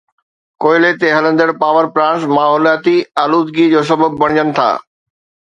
ڪوئلي تي هلندڙ پاور پلانٽس ماحولياتي آلودگي جو سبب بڻجن ٿا